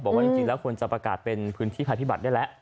บอกว่าจริงแล้วควรจะประกาศเป็นพื้นที่ภัยพิบัตรได้แล้ว